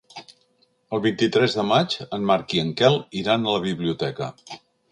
El vint-i-tres de maig en Marc i en Quel iran a la biblioteca.